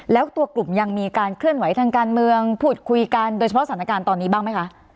แล้วตัวกลุ่มยังมีการเคลื่อนไหวทางการเมืองพูดคุยกันโดยเฉพาะสถานการณ์ตอนนี้บ้างไหมคะ